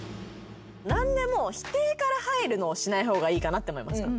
何でも否定から入るのをしない方がいいかなと思いました。